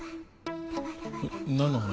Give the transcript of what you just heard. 何の話？